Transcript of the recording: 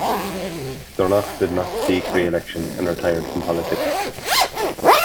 Stronach did not seek re-election and retired from politics.